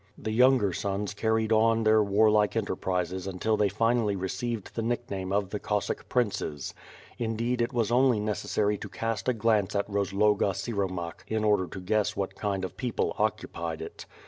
The younger sons carried on their warlike enterprises until they finally received the nickname of the Cossack Princes. Indeed it was only necessary to cast a glance at Rozloga Siromakh in order to guess what kind of people occupied it.